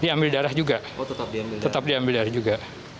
diambil darah juga tetap diambil darah juga